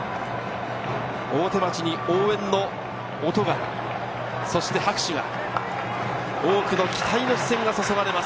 大手町に応援の音が、そして拍手が、多くの期待の視線がそそがれます。